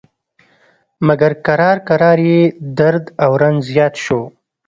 مګر کرار کرار یې درد او رنځ زیات شو.